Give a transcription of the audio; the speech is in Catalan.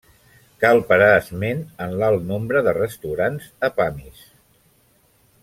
Cal parar esment en l'alt nombre de restaurants a Pamis.